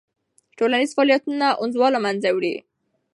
ټولنیز فعالیتونه انزوا له منځه وړي.